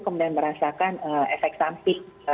kemudian merasakan efek samping